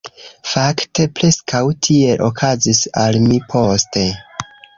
Fakte, preskaŭ tiel okazis al mi poste.